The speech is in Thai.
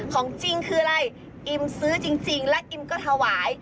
ของจริงคืออะไรอิมซื้อจริงและอิมก็ถวาย